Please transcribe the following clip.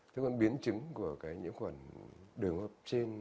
thế còn biến chứng của cái nhiễm khuẩn đường hấp trên